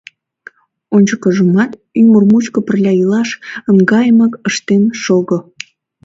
Ончыкыжымат ӱмыр мучко пырля илаш ынгайымак ыштен шого!